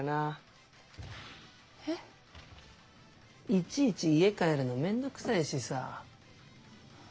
いちいち家帰るのめんどくさいしさぁ。